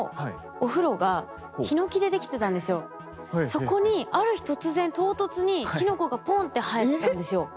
そこにある日突然唐突にキノコがポンって生えたんですよ。